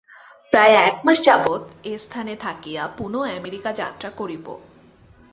প্রায় এক মাস যাবৎ এস্থানে থাকিয়া পুন আমেরিকা যাত্রা করিব।